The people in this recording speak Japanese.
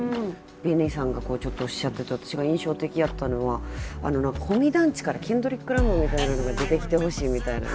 ビニさんがちょっとおっしゃってて私が印象的やったのは保見団地からケンドリック・ラマーみたいなのが出てきてほしいみたいなね。